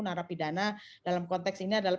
narapidana dalam konteks ini adalah